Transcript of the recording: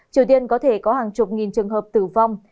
triều tiên có thể có hàng chục nghìn trường hợp tử vong